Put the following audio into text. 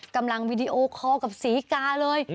กำลังวิดีโอคอลกับศรีกาเลย